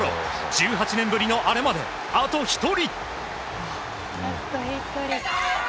１８年ぶりのアレまであと１人。